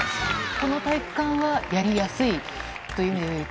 この体育館はやりやすいという意味でいうと？